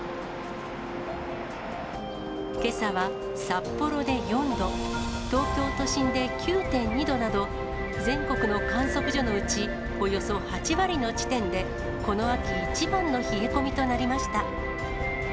けさは札幌で４度、東京都心で９．２度など、全国の観測所のうちおよそ８割の地点でこの秋一番の冷え込みとなりました。